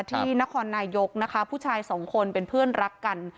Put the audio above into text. ที่นครนายกนะคะผู้ชายสองคนเป็นเพื่อนรักกัน